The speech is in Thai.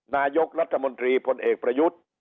นายกรัฐมนตรีพลเอกประยุทธ์